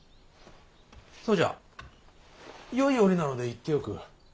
そうじゃよい折なので言っておく。